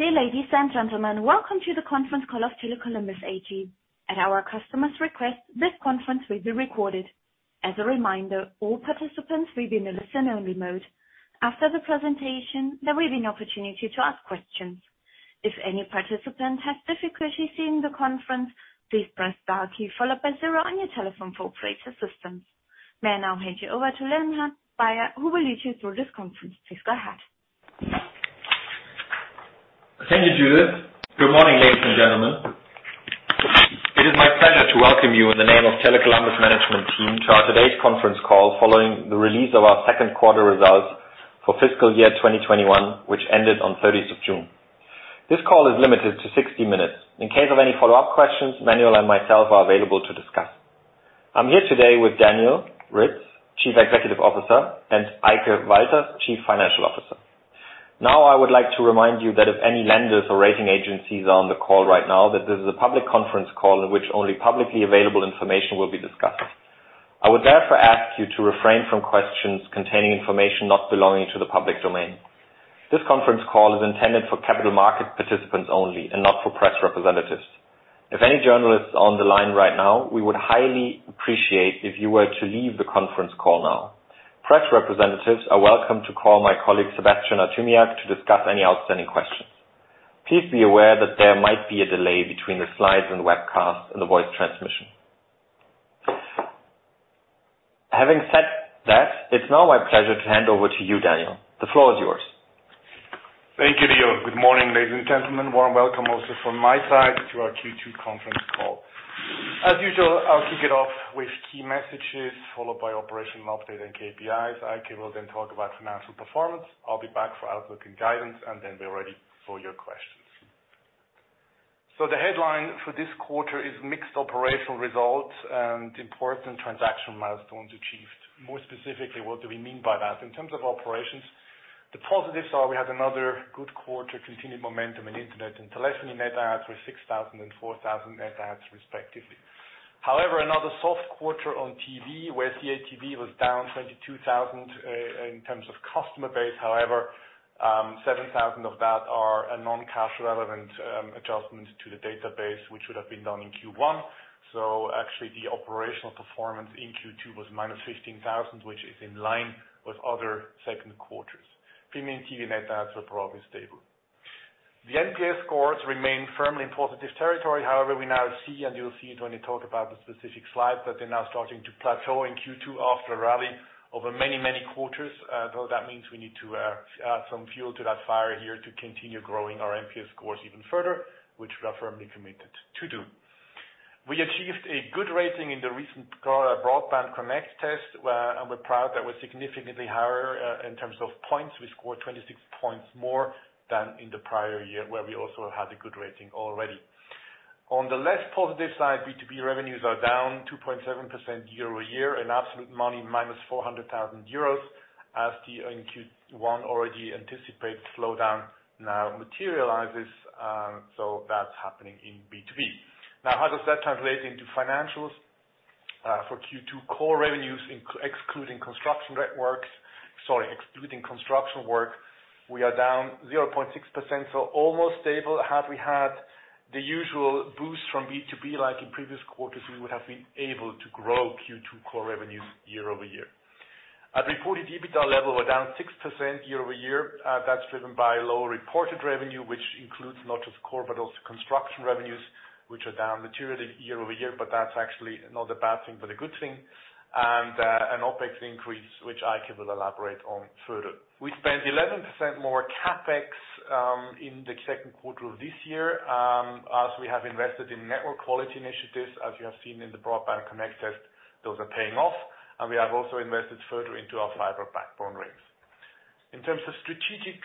Dear ladies and gentlemen, welcome to the conference call of Tele Columbus AG. At our customer's request, this conference will be recorded. As a reminder, all participants will be in listen-only mode. After the presentation, there will be an opportunity to ask questions. If any participant has difficulty seeing the conference, please press star key followed by zero on your telephone for operator assistance. May I now hand you over to Leonhard Bayer, who will lead you through this conference. Please go ahead. Thank you, Judith. Good morning, ladies and gentlemen. It is my pleasure to welcome you in the name of Tele Columbus management team to our today's conference call following the release of our second quarter results for fiscal year 2021, which ended on 30th of June. This call is limited to 60 minutes. In case of any follow-up questions, Manuel and myself are available to discuss. I am here today with Daniel Ritz, Chief Executive Officer, and Eike Walters, Chief Financial Officer. Now, I would like to remind you that if any lenders or rating agencies are on the call right now, that this is a public conference call in which only publicly available information will be discussed. I would therefore ask you to refrain from questions containing information not belonging to the public domain. This conference call is intended for capital market participants only and not for press representatives. If any journalist is on the line right now, we would highly appreciate if you were to leave the conference call now. Press representatives are welcome to call my colleague Sebastian Artymiak to discuss any outstanding questions. Please be aware that there might be a delay between the slides and webcast and the voice transmission. Having said that, it's now my pleasure to hand over to you, Daniel. The floor is yours. Thank you, Leonhard. Good morning, ladies and gentlemen. Warm welcome also from my side to our Q2 conference call. As usual, I'll kick it off with key messages followed by operational update and KPIs. Eike Walters will then talk about financial performance. I'll be back for outlook and guidance, and then we're ready for your questions. The headline for this quarter is mixed operational results and important transaction milestones achieved. More specifically, what do we mean by that? In terms of operations, the positives are we had another good quarter, continued momentum in internet and telephony net adds with 6,000 and 4,000 net adds respectively. However, another soft quarter on TV, where the CATV was down 22,000, in terms of customer base. However, 7,000 of that are a non-cash relevant adjustment to the database, which would have been done in Q1. Actually, the operational performance in Q2 was -15,000, which is in line with other second quarters. Premium TV net adds were probably stable. The NPS scores remain firmly in positive territory. However, we now see, and you'll see it when we talk about the specific slides, that they're now starting to plateau in Q2 after a rally over many, many quarters. That means we need to add some fuel to that fire here to continue growing our NPS scores even further, which we are firmly committed to do. We achieved a good rating in the recent connect broadband and landline test, and we're proud that was significantly higher in terms of points. We scored 26 points more than in the prior year, where we also had a good rating already. On the less positive side, B2B revenues are down 2.7% year-over-year in absolute money, minus 400,000 euros, as the Q1 already anticipated slowdown now materializes. That's happening in B2B. How does that translate into financials for Q2 core revenues excluding construction networks? Sorry, excluding construction work, we are down 0.6%, so almost stable. Had we had the usual boost from B2B like in previous quarters, we would have been able to grow Q2 core revenues year-over-year. At reported EBITDA level, we're down 6% year-over-year. That's driven by lower reported revenue, which includes not just core, but also construction revenues, which are down materially year-over-year, but that's actually not a bad thing, but a good thing. An OpEx increase, which Eike will elaborate on further. We spent 11% more CapEx in the second quarter of this year, as we have invested in network quality initiatives. As you have seen in the connect broadband and landline test, those are paying off, and we have also invested further into our fiber backbone rates. In terms of strategic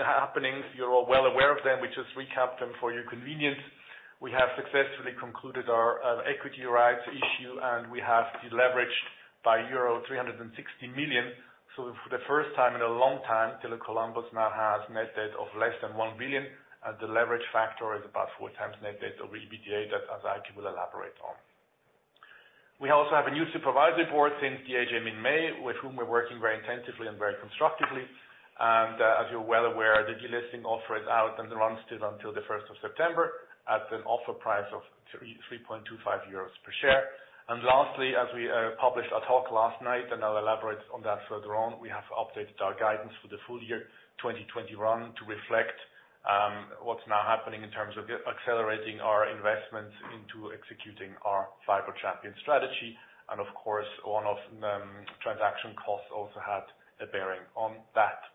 happenings, you are all well aware of them. We just recapped them for your convenience. We have successfully concluded our equity rights issue, and we have deleveraged by euro 360 million. For the first time in a long time, Tele Columbus now has net debt of less than 1 billion, and the leverage factor is about 4x net debt or EBITDA, as Eike will elaborate on. We also have a new supervisory board since the AGM in May, with whom we're working very intensively and very constructively. As you're well aware, the delisting offer is out and runs until the 1st of September at an offer price of 3.25 euros per share. Lastly, as we published our talk last night, and I'll elaborate on that further on, we have updated our guidance for the full year 2021 to reflect what's now happening in terms of accelerating our investments into executing our Fiber Champion strategy. Of course, one of transaction costs also had a bearing on that.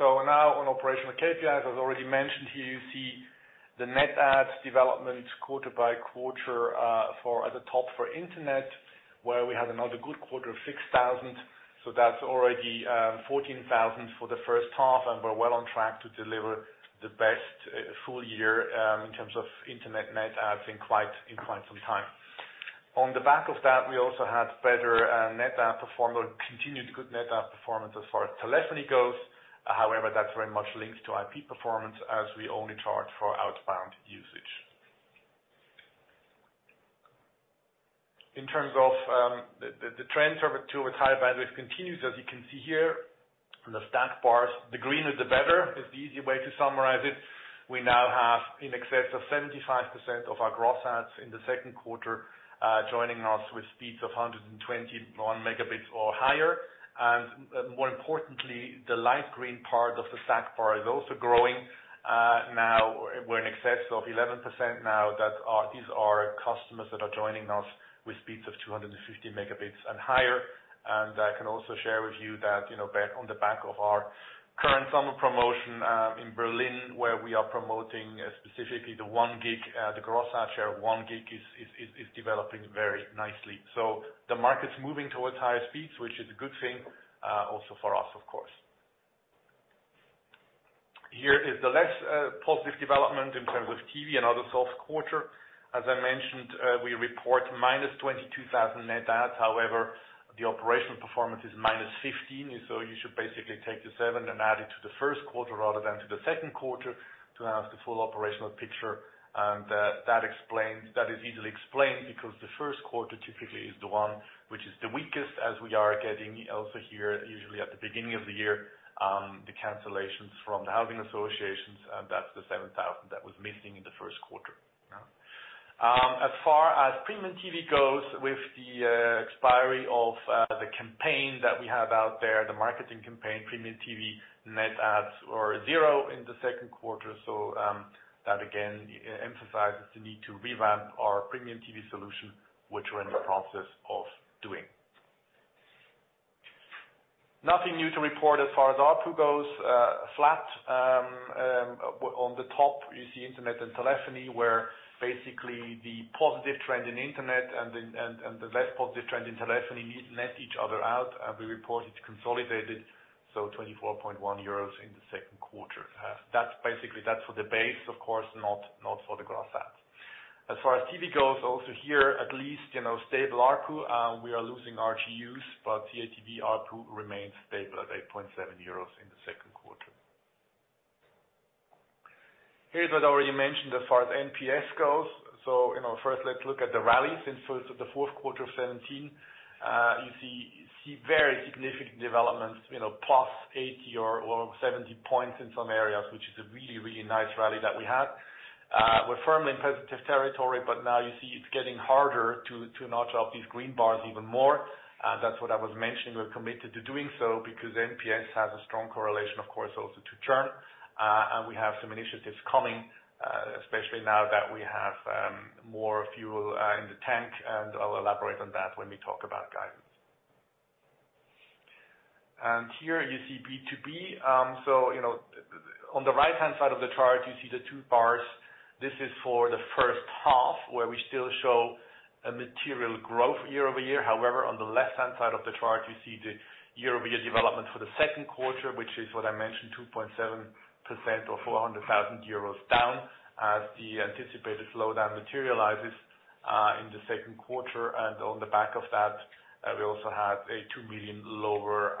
Now on operational KPIs, as already mentioned here, you see the net adds development quarter by quarter at the top for internet, where we had another good quarter of 6,000. That's already 14,000 for the first half, and we're well on track to deliver the best full year in terms of internet net adds in quite some time. We also had better net add performer, continued good net add performance as far as telephony goes. That's very much linked to IP performance as we only charge for outbound usage. The trend towards higher bandwidth continues, as you can see here in the stacked bars, the greener the better is the easy way to summarize it. We now have in excess of 75% of our gross adds in the second quarter, joining us with speeds of 121 Mb or higher. More importantly, the light green part of the stacked bar is also growing. We're in excess of 11% now that these are customers that are joining us with speeds of 250 Mb and higher. I can also share with you that on the back of our current summer promotion, in Berlin, where we are promoting specifically the 1 Gb, the gross add share, 1 Gb is developing very nicely. The market's moving towards higher speeds, which is a good thing, also for us, of course. Here is the less positive development in terms of TV and other soft quarter. As I mentioned, we report minus 22,000 net adds. However, the operational performance is -15, so you should basically take the seven and add it to the first quarter rather than to the second quarter to have the full operational picture. That is easily explained because the first quarter typically is the one which is the weakest as we are getting also here, usually at the beginning of the year, the cancellations from the housing associations, and that's the 7,000 that was missing in the first quarter. As far as Premium TV goes, with the expiry of the campaign that we have out there, the marketing campaign, Premium TV net adds are zero in the second quarter. That again emphasizes the need to revamp our Premium TV solution, which we're in the process of doing. Nothing new to report as far as ARPU goes, flat. On the top you see internet and telephony, where basically the positive trend in internet and the less positive trend in telephony net each other out, and we report it consolidated, so 24.1 euros in the second quarter. That's for the base, of course, not for the gross adds. As far as TV goes, also here, at least, stable ARPU. We are losing RGUs, but the ATV ARPU remains stable at 8.7 euros in the second quarter. Here is what I already mentioned as far as NPS goes. First let's look at the rallies in first of the fourth quarter of 2017. You see very significant developments, +80 or 70 points in some areas, which is a really nice rally that we had. We're firmly in positive territory, but now you see it's getting harder to notch up these green bars even more. That's what I was mentioning. We're committed to doing so because NPS has a strong correlation, of course, also to churn. We have some initiatives coming, especially now that we have more fuel in the tank, I'll elaborate on that when we talk about guidance. Here you see B2B. On the right-hand side of the chart, you see the two bars. This is for the first half where we still show a material growth year-over-year. However, on the left-hand side of the chart, you see the year-over-year development for the second quarter, which is what I mentioned, 2.7% or 400,000 euros down as the anticipated slowdown materializes in the second quarter. On the back of that, we also had a 2 million lower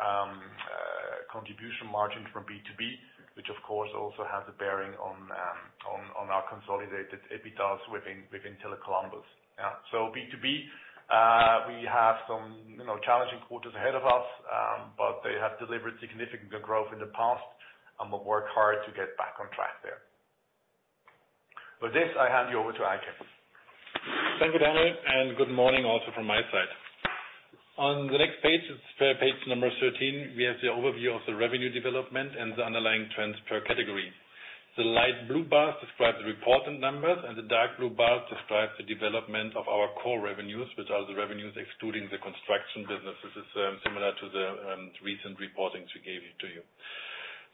contribution margin from B2B, which of course, also has a bearing on our consolidated EBITDA within Tele Columbus. B2B, we have some challenging quarters ahead of us, but they have delivered significant growth in the past, and we'll work hard to get back on track there. With this, I hand you over to Eike. Thank you, Daniel, and good morning also from my side. On the next page, it's page number 13. We have the overview of the revenue development and the underlying trends per category. The light blue bars describe the reported numbers, and the dark blue bars describe the development of our core revenues, which are the revenues excluding the construction business. This is similar to the recent reportings we gave to you.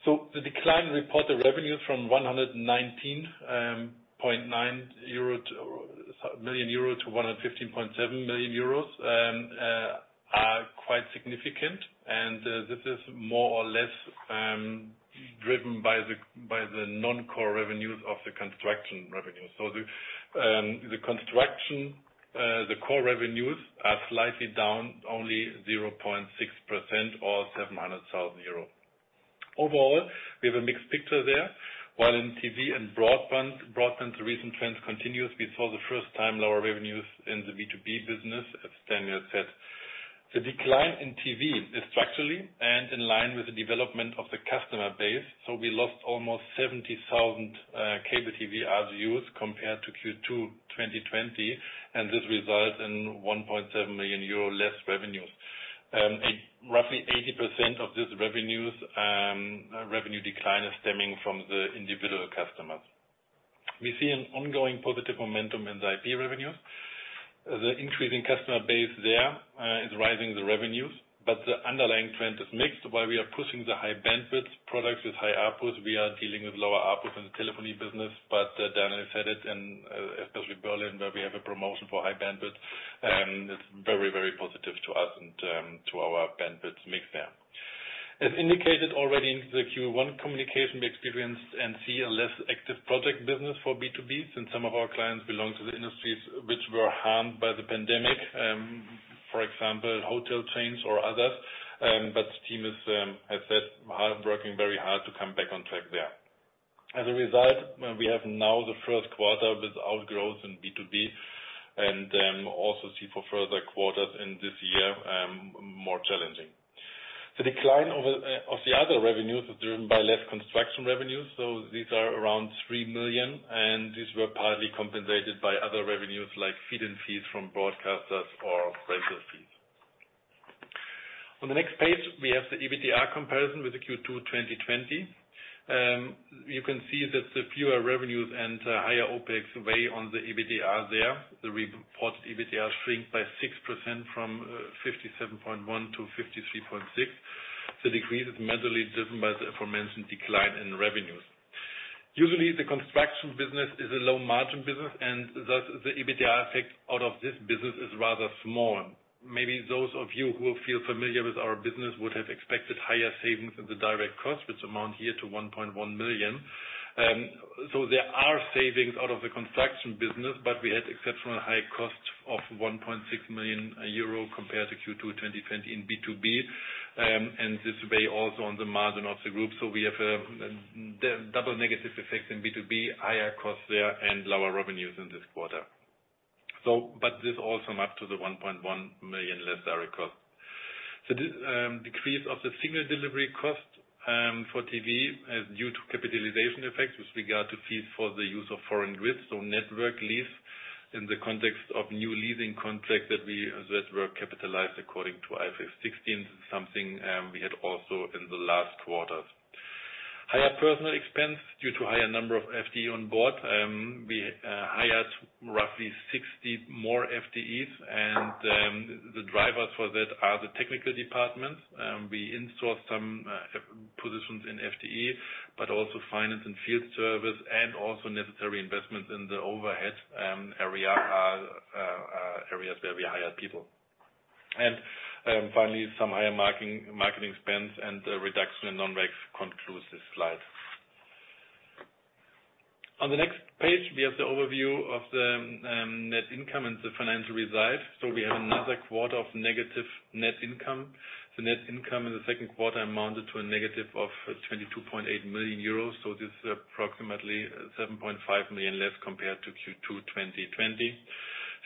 The decline reported revenues from 119.9 million euro to 115.7 million euros are quite significant, and this is more or less driven by the non-core revenues of the construction revenue. The construction, the core revenues are slightly down only 0.6% or 700,000 euros. Overall, we have a mixed picture there. While in TV and broadband, the recent trend continues. We saw the first time lower revenues in the B2B business, as Daniel said. The decline in TV is structurally and in line with the development of the customer base. We lost almost 70,000 cable TV RGUs compared to Q2 2020, and this results in 1.7 million euro less revenues. Roughly 80% of this revenue decline is stemming from the individual customers. We see an ongoing positive momentum in the IP revenues. The increase in customer base there is rising the revenues, but the underlying trend is mixed. While we are pushing the high bandwidth products with high ARPUs, we are dealing with lower ARPUs in the telephony business. Daniel said it, and especially Berlin, where we have a promotion for high bandwidth, it's very positive to us and to our bandwidth mix there. As indicated already in the Q1 communication, we experienced and see a less active project business for B2B since some of our clients belong to the industries which were harmed by the pandemic. For example, hotel chains or others. The team is, as said, working very hard to come back on track there. We have now the first quarter without growth in B2B, and also see for further quarters in this year more challenging. The decline of the other revenues is driven by less construction revenues. These are around 3 million, and these were partly compensated by other revenues like feed-in fees from broadcasters or rental fees. On the next page, we have the EBITDA comparison with the Q2 2020. You can see that the fewer revenues and higher OpEx weigh on the EBITDA there. The reported EBITDA shrink by 6% from 57.1 million to 53.6 million. The decrease is mainly driven by the aforementioned decline in revenues. Usually, thevconstruction business is a low margin business, thus the EBITDA effect out of this business is rather small. Maybe those of you who feel familiar with our business would have expected higher savings in the direct costs, which amount here to 1.1 million. There are savings out of the construction business, but we had exceptional high costs of 1.6 million euro compared to Q2 2020 in B2B. This weigh also on the margin of the group. We have a double negative effect in B2B, higher costs there and lower revenues in this quarter. This all sum up to the 1.1 million less direct cost. This decrease of the signal delivery cost, for TV is due to capitalization effects with regard to fees for the use of foreign grids. Network lease in the context of new leasing contract that were capitalized according to IFRS 16, something we had also in the last quarters. Higher personnel expense due to higher number of FTE on board. We hired roughly 60 more FTEs and the drivers for that are the technical departments. We in-sourced some positions in FTE, but also finance and field service, and also necessary investments in the overhead areas where we hired people. Finally, some higher marketing spends and a reduction in non-rec concludes this slide. On the next page, we have the overview of the net income and the financial results. We have another quarter of negative net income. The net income in the second quarter amounted to a negative of 22.8 million euros. This is approximately 7.5 million less compared to Q2 2020.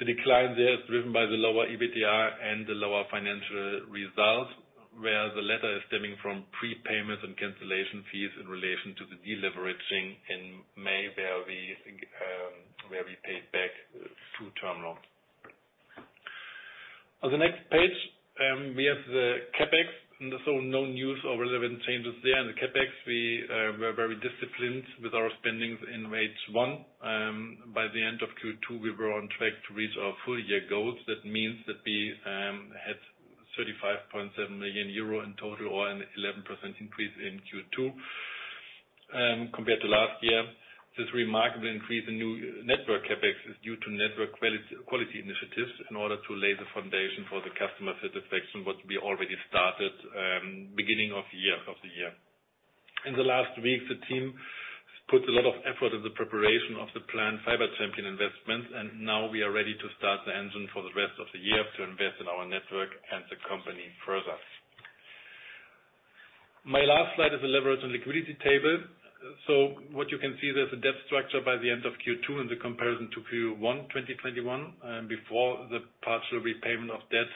The decline there is driven by the lower EBITDA and the lower financial results, where the latter is stemming from prepayments and cancellation fees in relation to the deleveraging in May, where we paid back two term loans. On the next page, we have the CapEx. No news or relevant changes there. In the CapEx, we were very disciplined with our spendings in phase I. By the end of Q2, we were on track to reach our full year goals. That means that we had 35.7 million euro in total or an 11% increase in Q2 compared to last year. This remarkable increase in new network CapEx is due to network quality initiatives in order to lay the foundation for the customer satisfaction, what we already started beginning of the year. In the last weeks, the team put a lot of effort in the preparation of the planned Fiber Champion investments, and now we are ready to start the engine for the rest of the year to invest in our network and the company further. My last slide is the leverage on liquidity table. What you can see there is a debt structure by the end of Q2 in the comparison to Q1 2021, before the partial repayment of debt.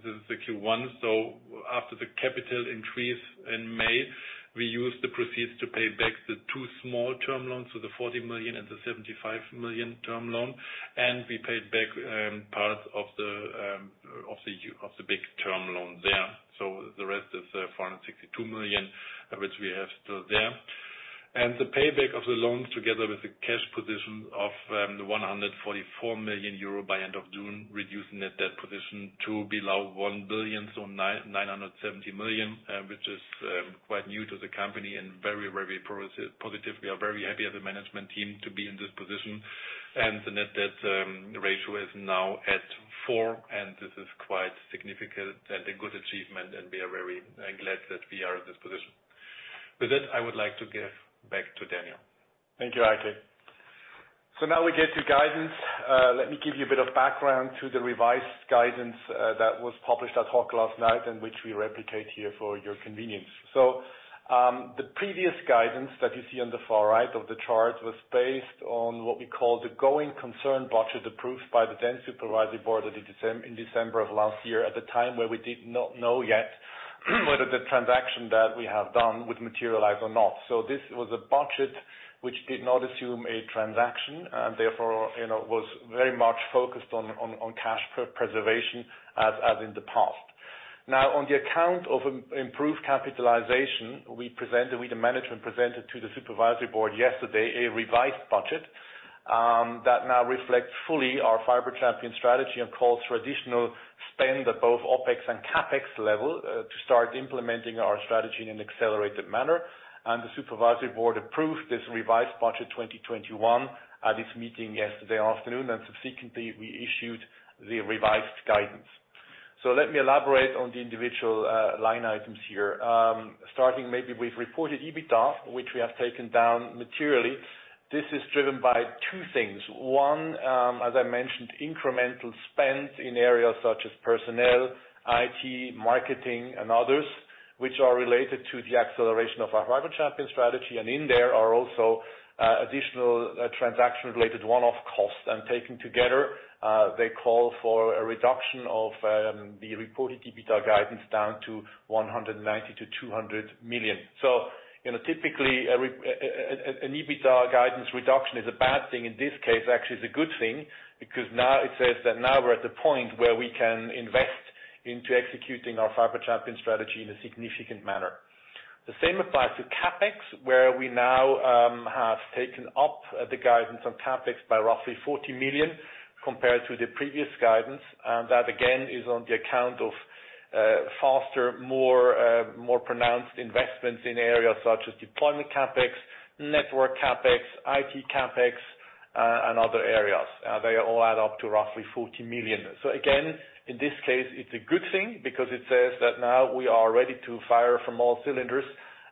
This is the Q1. After the capital increase in May, we used the proceeds to pay back the two small term loans, so the 40 million and the 75 million term loan, and we paid back part of the big term loan there. The rest is 462 million, which we have still there. The payback of the loans, together with the cash position of the 144 million euro by end of June, reducing net debt position to below 1 billion, so 970 million, which is quite new to the company and very progressive, positive. We are very happy as a management team to be in this position. The net debt ratio is now at four, and this is quite significant and a good achievement, and we are very glad that we are in this position. With that, I would like to give back to Daniel. Thank you, Eike. Now we get to guidance. Let me give you a bit of background to the revised guidance that was published ad hoc last night and which we replicate here for your convenience. The previous guidance that you see on the far right of the chart was based on what we call the going concern budget, approved by the then supervisory board in December of last year, at the time where we did not know yet whether the transaction that we have done would materialize or not. This was a budget which did not assume a transaction, and therefore, was very much focused on cash preservation as in the past. On the account of improved capitalization, we, the management, presented to the supervisory board yesterday a revised budget that now reflects fully our Fiber Champion strategy and calls for additional spend at both OpEx and CapEx level to start implementing our strategy in an accelerated manner. The supervisory board approved this revised budget 2021 at its meeting yesterday afternoon. Subsequently, we issued the revised guidance. Let me elaborate on the individual line items here. Starting maybe with reported EBITDA, which we have taken down materially. This is driven by two things. One, as I mentioned, incremental spend in areas such as personnel, IT, marketing, and others, which are related to the acceleration of our Fiber Champion strategy. In there are also additional transaction-related one-off costs. Taken together, they call for a reduction of the reported EBITDA guidance down to 190 million to 200 million. Typically, an EBITDA guidance reduction is a bad thing. In this case, actually, it's a good thing because now it says that now we're at the point where we can invest into executing our Fiber Champion strategy in a significant manner. The same applies to CapEx, where we now have taken up the guidance on CapEx by roughly 40 million compared to the previous guidance. That, again, is on the account of faster, more pronounced investments in areas such as deployment CapEx, network CapEx, IT CapEx, and other areas. They all add up to roughly 40 million. Again, in this case, it's a good thing because it says that now we are ready to fire from all cylinders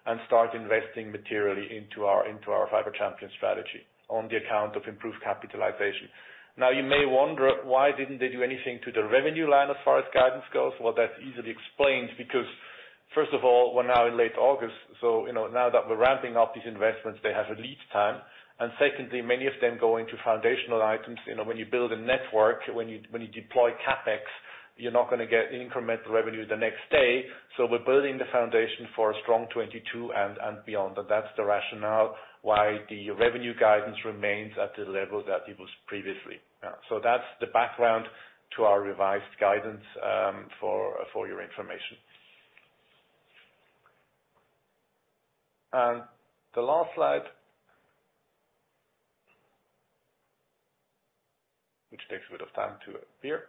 and start investing materially into our Fiber Champion strategy on the account of improved capitalization. Now you may wonder, why didn't they do anything to the revenue line as far as guidance goes? Well, that's easily explained because, first of all, we're now in late August, so now that we're ramping up these investments, they have a lead time. Secondly, many of them go into foundational items. When you build a network, when you deploy CapEx, you're not going to get incremental revenue the next day. We're building the foundation for a strong 2022 and beyond. That's the rationale why the revenue guidance remains at the level that it was previously. That's the background to our revised guidance for your information. The last slide, which takes a bit of time to appear.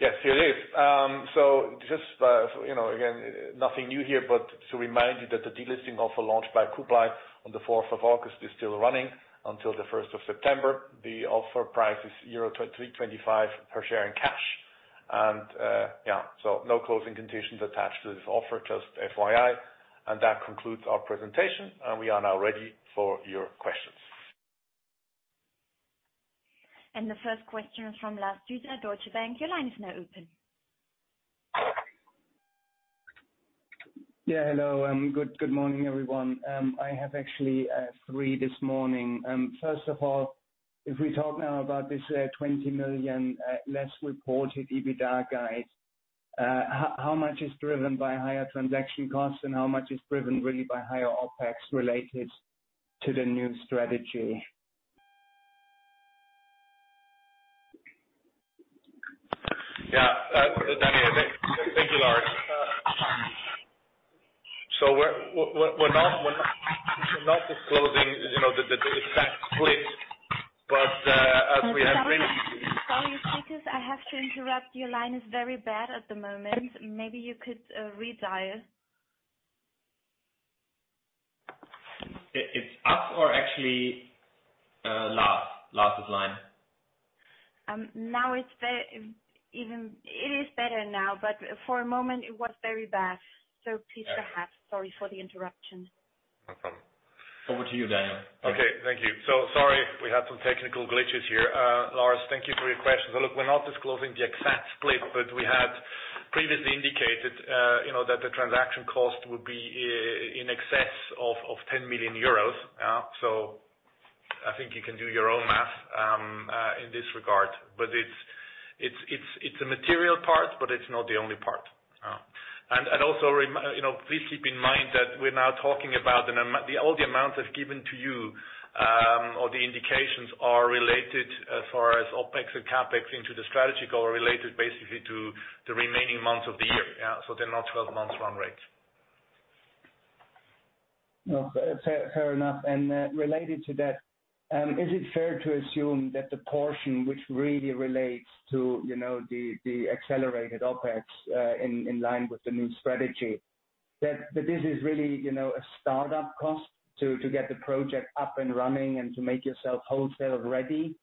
Yes, here it is. Just, again, nothing new here, but to remind you that the delisting offer launched by Kublai GmbH on the 4th of August is still running until the 1st of September. The offer price is euro 325 per share in cash. Yeah, so no closing conditions attached to this offer, just FYI. That concludes our presentation, and we are now ready for your questions. The first question is from Lars Dueser, Deutsche Bank. Your line is now open. Yeah, hello. Good morning, everyone. I have actually three this morning. First of all, if we talk now about this 20 million less reported EBITDA guide, how much is driven by higher transaction costs and how much is driven really by higher OpEx related to the new strategy? Yeah. Daniel. Thank you, Lars. We're not disclosing the exact split. Sorry to speak. I have to interrupt. Your line is very bad at the moment. Maybe you could redial. It's us or actually Lars' line? Now it's better. It is better now, but for a moment it was very bad, so sorry for the interruption. No problem. Over to you, Daniel. Okay. Thank you. Sorry we had some technical glitches here. Lars, thank you for your question. Look, we're not disclosing the exact split, but we had previously indicated that the transaction cost would be in excess of 10 million euros. I think you can do your own math in this regard. It's a material part, but it's not the only part. Also, please keep in mind that we're now talking about all the amounts I've given to you, or the indications are related as far as OpEx and CapEx into the strategy goal related basically to the remaining months of the year. They're not 12 months run rate. No. Fair enough. Related to that, is it fair to assume that the portion which really relates to the accelerated OpEx in line with the new strategy, that this is really a startup cost to get the project up and running and to make yourself wholesale ready?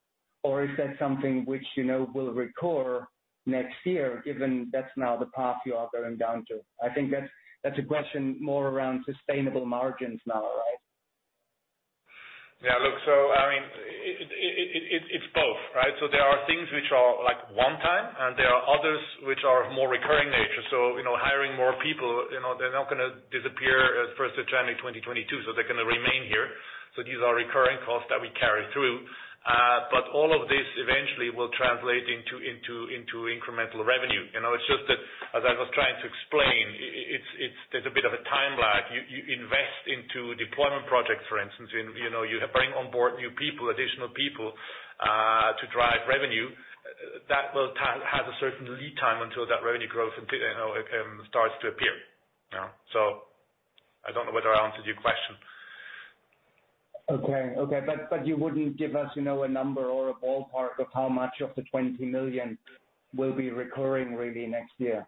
Is that something which will recur next year, given that's now the path you are going down to? I think that's a question more around sustainable margins now, right? Yeah. Look, it's both, right? There are things which are one time, and there are others which are of more recurring nature. Hiring more people, they're not going to disappear as at 1st of January 2022, so they're going to remain here. These are recurring costs that we carry through. All of this eventually will translate into incremental revenue. It's just that as I was trying to explain, there's a bit of a time lag. You invest into deployment projects, for instance. You bring on board new people, additional people, to drive revenue. That has a certain lead time until that revenue growth starts to appear. I don't know whether I answered your question. Okay. You wouldn't give us a number or a ballpark of how much of the 20 million will be recurring really next year?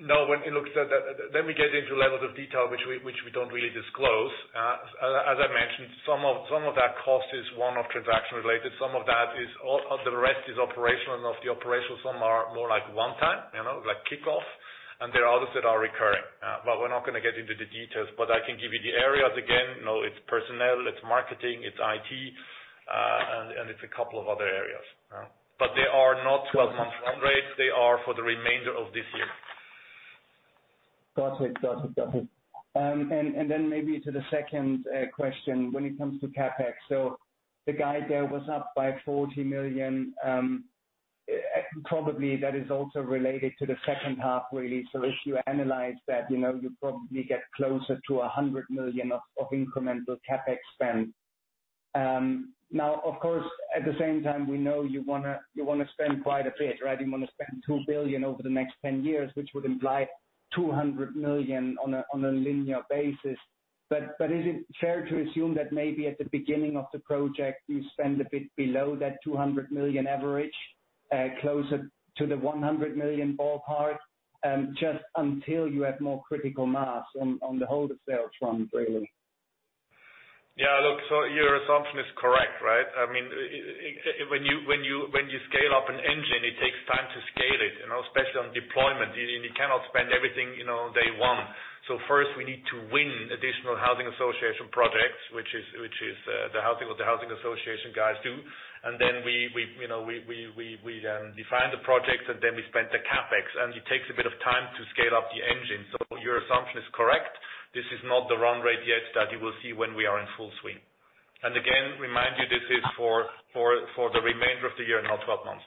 No. When it looks at that, we get into levels of detail which we don't really disclose. As I mentioned, some of that cost is one-off transaction related. Some of the rest is operational, and of the operational, some are more like one-time, like kickoff, and there are others that are recurring. We're not going to get into the details, but I can give you the areas again. It's personnel, it's marketing, it's IT, and it's a couple of other areas. They are not 12-month run rates, they are for the remainder of this year. Got it. Maybe to the second question, when it comes to CapEx. The guide there was up by 40 million. Probably that is also related to the second half, really. If you analyze that, you probably get closer to 100 million of incremental CapEx spend. Now, of course, at the same time, we know you want to spend quite a bit, right? You want to spend 2 billion over the next 10 years, which would imply 200 million on a linear basis. Is it fair to assume that maybe at the beginning of the project, you spend a bit below that 200 million average, closer to the 100 million ballpark, just until you have more critical mass on the whole of sales run, really? Yeah. Look, your assumption is correct, right? When you scale up an engine, it takes time to scale it, especially on deployment. You cannot spend everything day one. First, we need to win additional housing association projects, which is the housing association guys do. Then we then define the projects, and then we spend the CapEx, and it takes a bit of time to scale up the engine. Your assumption is correct. This is not the run rate yet that you will see when we are in full swing. Again, remind you, this is for the remainder of the year, not 12 months.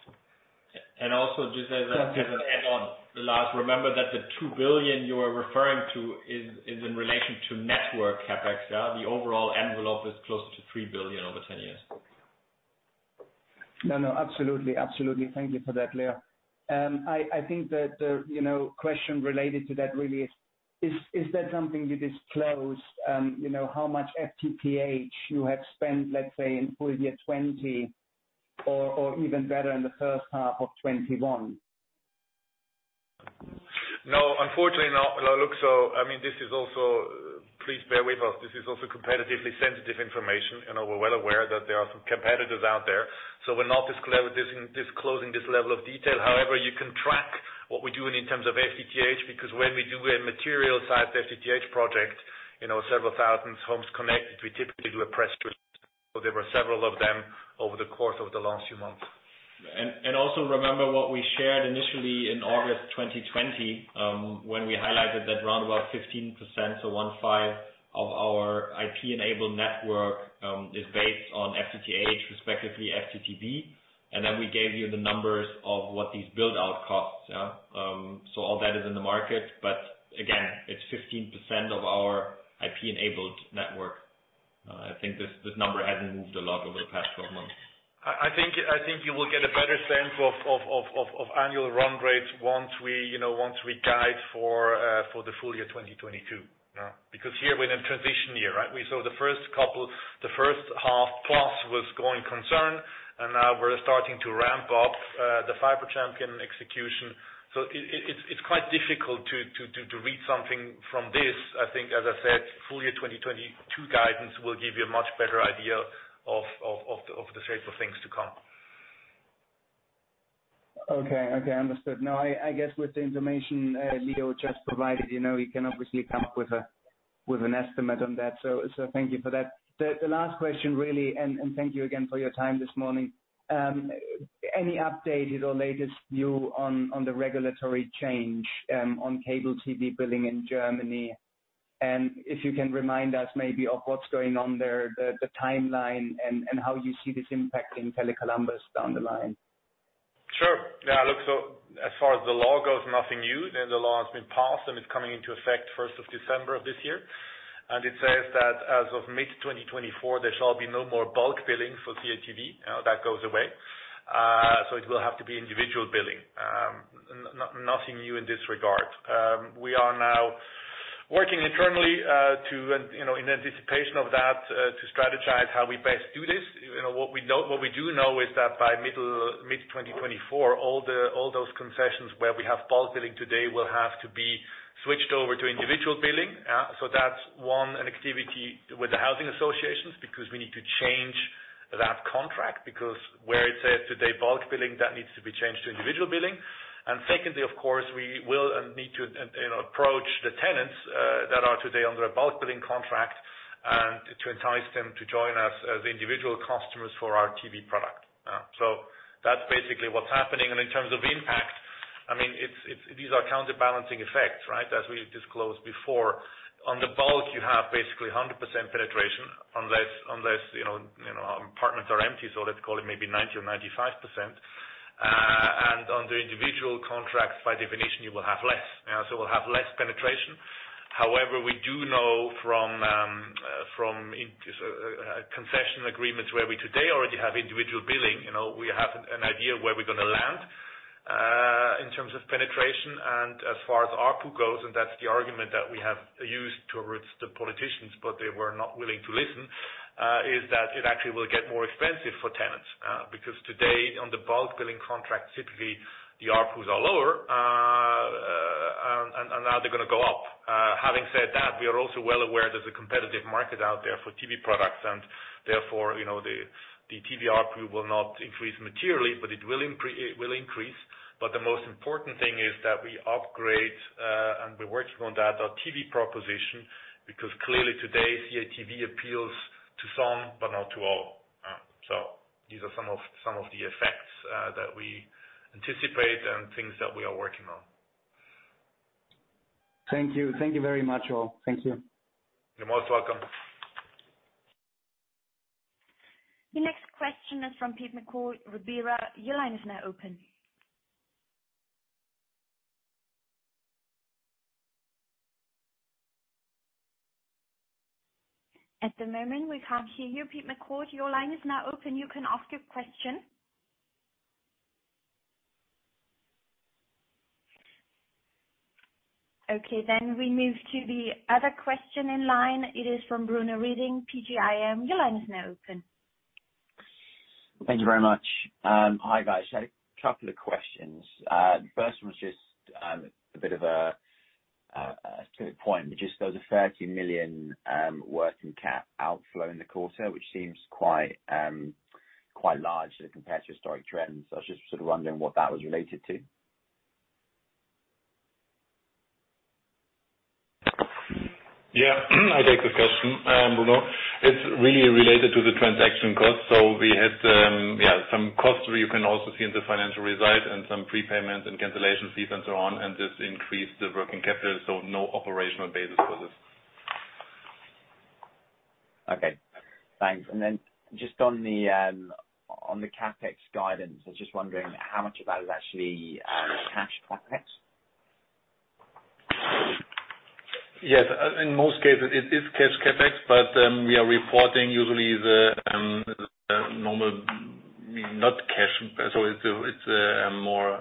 Also, just as an add-on, Lars, remember that the 2 billion you are referring to is in relation to network CapEx, yeah. The overall envelope is closer to 3 billion over 10 years. No, absolutely. Thank you for that, Leo. I think that the question related to that really is that something you disclose? How much FTTH you have spent, let's say, in full year 2020 or even better in the first half of 2021? No, unfortunately not. Please bear with us. This is also competitively sensitive information, and we're well aware that there are some competitors out there. We're not disclosing this level of detail. However, you can track what we're doing in terms of FTTH, because when we do a material size FTTH project, several 1,000 homes connected, we typically do a press release. There were several of them over the course of the last few months. Also remember what we shared initially in August 2020, when we highlighted that around about 15%, so 15 of our IP-enabled network, is based on FTTH, respectively FTTB, and then we gave you the numbers of what these build out costs, yeah. All that is in the market. Again, it's 15% of our IP-enabled network. I think this number hasn't moved a lot over the past 12 months. I think you will get a better sense of annual run rates once we guide for the full year 2022. Here we're in a transition year, right? The first half plus was going concern, and now we're starting to ramp up the Fiber Champion execution. It's quite difficult to read something from this. I think, as I said, full year 2022 guidance will give you a much better idea of the shape of things to come. Understood. I guess with the information Leo just provided, we can obviously come up with an estimate on that. Thank you for that. The last question, really, and thank you again for your time this morning. Any updated or latest view on the regulatory change on cable TV billing in Germany? If you can remind us maybe of what's going on there, the timeline, and how you see this impacting Tele Columbus down the line. Sure. Yeah. Look, as far as the law goes, nothing new. The law has been passed, and it's coming into effect 1st of December of this year. It says that as of mid-2024, there shall be no more bulk billing for TV. That goes away. It will have to be individual billing. Nothing new in this regard. We are now working internally in anticipation of that, to strategize how we best do this. What we do know is that by mid-2024, all those concessions where we have bulk billing today will have to be switched over to individual billing. That's one, an activity with the housing associations, because we need to change that contract. Where it says today bulk billing, that needs to be changed to individual billing. Secondly, of course, we will need to approach the tenants that are today under a bulk billing contract and to entice them to join us as individual customers for our TV product. That's basically what's happening. In terms of impact, these are counterbalancing effects, right? As we disclosed before, on the bulk, you have basically 100% penetration unless apartments are empty. Let's call it maybe 90% or 95%. On the individual contracts, by definition, you will have less. We'll have less penetration. However, we do know from concession agreements where we today already have individual billing, we have an idea where we're going to land, in terms of penetration. As far as ARPU goes, and that's the argument that we have used towards the politicians, but they were not willing to listen, is that it actually will get more expensive for tenants. Today on the bulk billing contract, typically the ARPUs are lower. Now they're going to go up. Having said that, we are also well aware there's a competitive market out there for TV products, and therefore, the TV ARPU will not increase materially, but it will increase. The most important thing is that we upgrade, and we're working on that, our TV proposition, because clearly today, CATV appeals to some, but not to all. These are some of the effects that we anticipate and things that we are working on. Thank you. Thank you very much, all. Thank you. You're most welcome. The next question is from Pete McCord, Rubira. Your line is now open. At the moment, we can't hear you, Pete McCord. Your line is now open. You can ask your question. Okay, we move to the other question in line. It is from Bruno Reading, PGIM. Your line is now open. Thank you very much. Hi, guys. A couple of questions. The first one is just a bit of a specific point. There is a 30 million working cap outflow in the quarter, which seems quite large compared to historic trends. I was just sort of wondering what that was related to. Yeah. I take the question, Bruno. It's really related to the transaction cost. We had some costs where you can also see in the financial result and some prepayment and cancellation fees and so on, and this increased the working capital, so no operational basis for this. Okay, thanks. Just on the CapEx guidance, I was just wondering how much of that is actually cash CapEx. Yes, in most cases, it is cash CapEx, but we are reporting usually the normal not cash. It's a more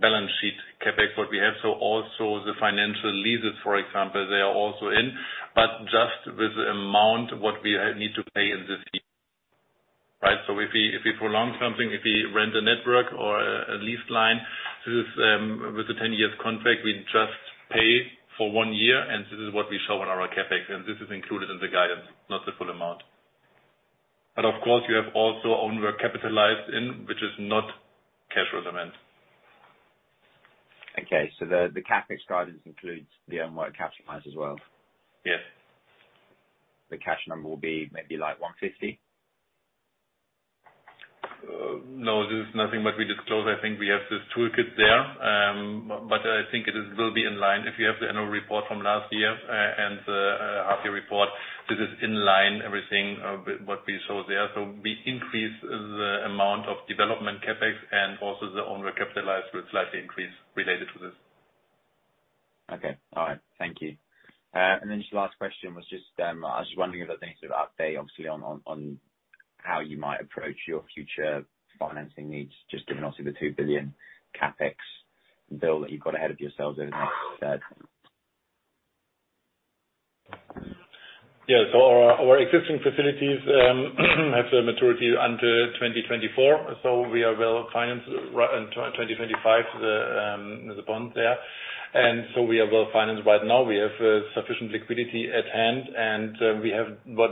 balance sheet CapEx what we have. Also the financial leases, for example, they are also in, but just with the amount what we need to pay in this. If we prolong something, if we rent a network or a lease line with a 10-year contract, we just pay for one year, and this is what we show on our CapEx, and this is included in the guidance, not the full amount. Of course, you have also own work capitalized in, which is not cash repayment. Okay, the CapEx guidance includes the own work capitalized as well? Yes. The cash number will be maybe like 150? This is nothing, we disclose, I think we have this toolkit there. I think it will be in line. If you have the annual report from last year and the half-year report, this is in line, everything what we show there. We increase the amount of development CapEx and also the own work capitalized will slightly increase related to this. Okay. All right. Thank you. Then just the last question was just, I was just wondering if there's any sort of update, obviously, on how you might approach your future financing needs, just given, obviously, the 2 billion CapEx bill that you've got ahead of yourselves over the next decade. Yeah. Our existing facilities have a maturity until 2024. We are well-financed right into 2025, the bond there. We are well-financed right now. We have sufficient liquidity at hand, and we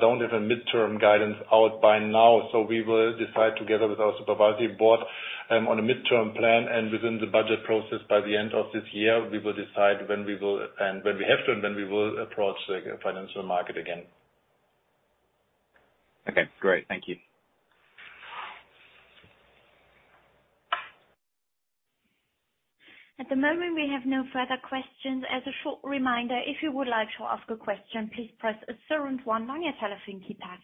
don't have a midterm guidance out by now. We will decide together with our supervisory board on a midterm plan and within the budget process by the end of this year, we will decide and when we have to, we will approach the financial market again. Okay, great. Thank you. At the moment, we have no further questions. As a short reminder, if you would like to ask a question, please press star and one on your telephone keypad.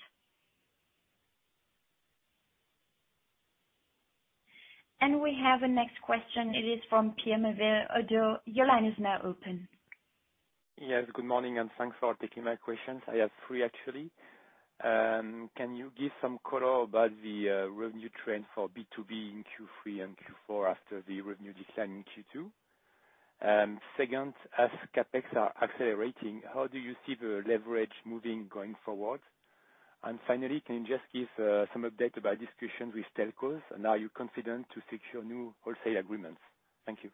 We have a next question. It is from Pierre Bresnu, Oddo. Your line is now open. Yes, good morning. Thanks for taking my questions. I have three, actually. Can you give some color about the revenue trend for B2B in Q3 and Q4 after the revenue decline in Q2? Second, as CapEx are accelerating, how do you see the leverage moving going forward? Finally, can you just give some update about discussions with telcos, and are you confident to secure new wholesale agreements? Thank you.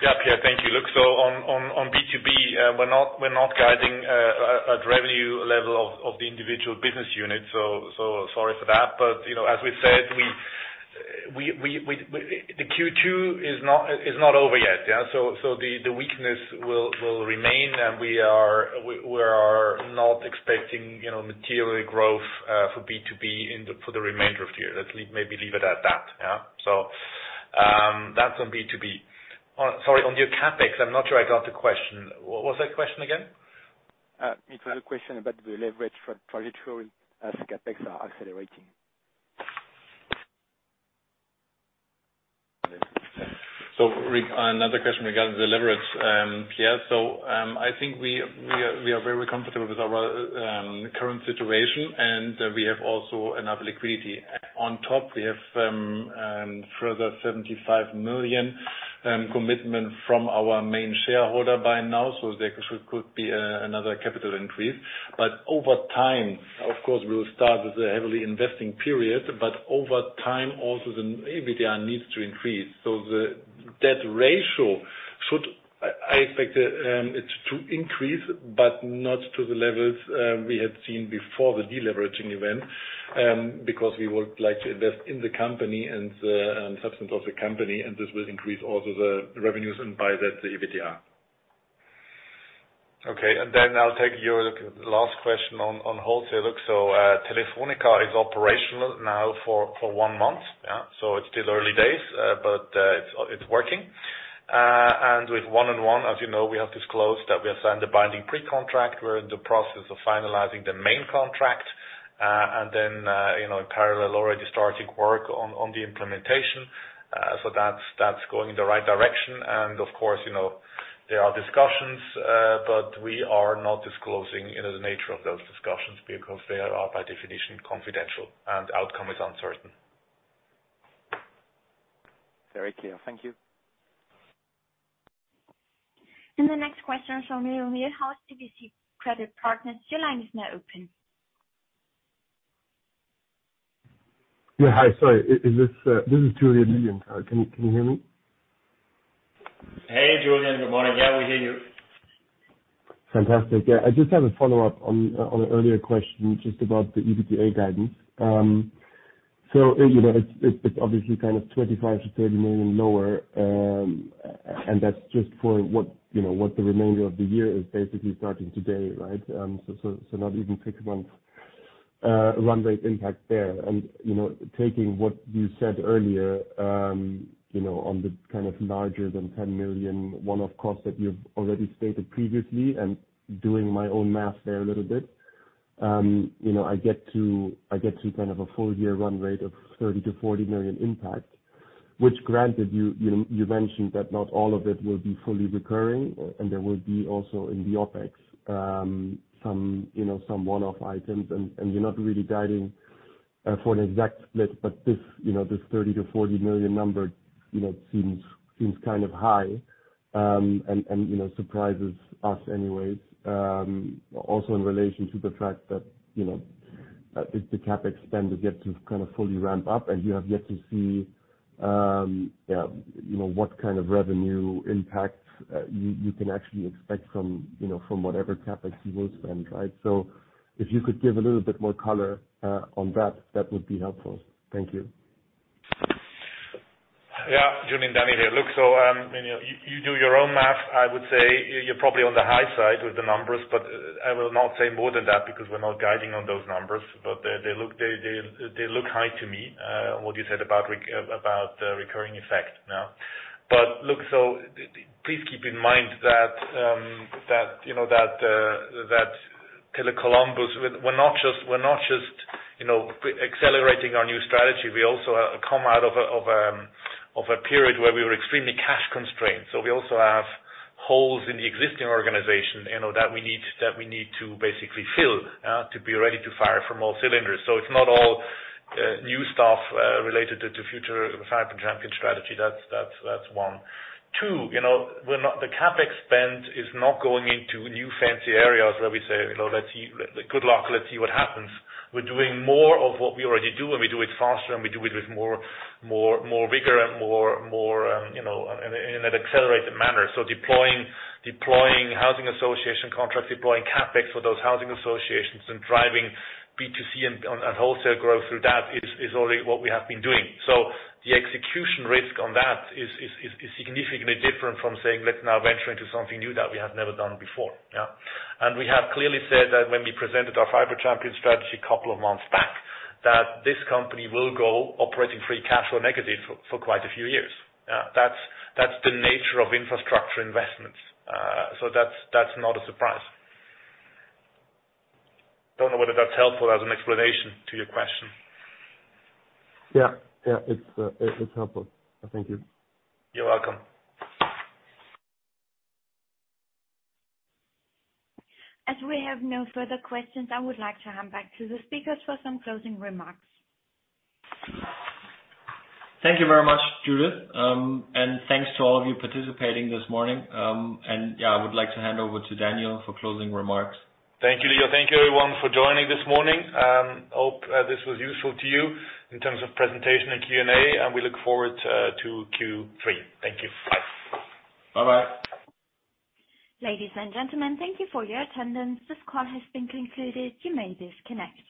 Yeah, Pierre. Thank you. Look, on B2B, we're not guiding at revenue level of the individual business unit. Sorry for that. As we said, the Q2 is not over yet. The weakness will remain, and we are not expecting material growth for B2B for the remainder of the year. Let's maybe leave it at that. That's on B2B. Sorry, on your CapEx, I'm not sure I got the question. What was that question again? It was a question about the leverage trajectory as CapEx are accelerating. Another question regarding the leverage, Pierre. I think we are very comfortable with our current situation, and we have also enough liquidity. On top, we have further 75 million commitment from our main shareholder by now, so there could be another capital increase. Over time, of course, we will start with the heavily investing period, but over time, also the EBITDA needs to increase. The debt ratio should- I expect it to increase, but not to the levels we had seen before the deleveraging event, because we would like to invest in the company and the substance of the company, and this will increase also the revenues and by that, the EBITDA. Okay. Then I'll take your last question on wholesale. Telefónica is operational now for one month. Yeah. It's still early days, but it's working. With 1&1, as you know, we have disclosed that we have signed a binding pre-contract. We're in the process of finalizing the main contract, and then, in parallel, already starting work on the implementation. That's going in the right direction. Of course, there are discussions, but we are not disclosing the nature of those discussions because they are, by definition, confidential and outcome is uncertain. Very clear. Thank you. The next question is from Julien Lange, RBC Credit Partners. Your line is now open. Yeah. Hi. Sorry. This is Julien Lange. Can you hear me? Hey, Julien. Good morning. Yeah, we hear you. Fantastic. Yeah. I just have a follow-up on an earlier question, just about the EBITDA guidance. It's obviously kind of 25 million-30 million lower, and that's just for what the remainder of the year is basically starting today, right? Not even six months run rate impact there. Taking what you said earlier, on the kind of larger than 10 million one-off cost that you've already stated previously, and doing my own math there a little bit, I get to a full year run rate of 30 million-40 million impact. Which granted, you mentioned that not all of it will be fully recurring and there will be also in the OpEx, some one-off items, and you're not really guiding for an exact split. This 30 million-40 million number seems kind of high, and surprises us anyways. In relation to the fact that, if the CapEx spend is yet to fully ramp up and you have yet to see what kind of revenue impact you can actually expect from whatever CapEx you will spend, right? If you could give a little bit more color on that would be helpful. Thank you. Yeah. Julien, Daniel here. Look, you do your own math. I would say you're probably on the high side with the numbers, but I will not say more than that because we're not guiding on those numbers. They look high to me, what you said about recurring effect now. Look, please keep in mind that Tele Columbus, we're not just accelerating our new strategy. We also come out of a period where we were extremely cash constrained. We also have holes in the existing organization, that we need to basically fill, to be ready to fire from all cylinders. It's not all new stuff related to future Fiber Champion strategy. That's one. Two, the CapEx spend is not going into new fancy areas where we say, "Good luck. Let's see what happens." We're doing more of what we already do, and we do it faster, and we do it with more rigor and in an accelerated manner. Deploying housing association contracts, deploying CapEx for those housing associations and driving B2C and wholesale growth through that is already what we have been doing. The execution risk on that is significantly different from saying, "Let's now venture into something new that we have never done before." Yeah. We have clearly said that when we presented our Fiber Champion strategy a couple of months back, that this company will go operating free cash flow negative for quite a few years. That's the nature of infrastructure investments. That's not a surprise. Don't know whether that's helpful as an explanation to your question. Yeah. It's helpful. Thank you. You're welcome. As we have no further questions, I would like to hand back to the speakers for some closing remarks. Thank you very much, Judith. Thanks to all of you participating this morning. I would like to hand over to Daniel for closing remarks. Thank you, Leo. Thank you everyone for joining this morning. Hope this was useful to you in terms of presentation and Q&A, and we look forward to Q3. Thank you. Bye. Bye-bye. Ladies and gentlemen, thank you for your attendance. This call has been concluded. You may disconnect.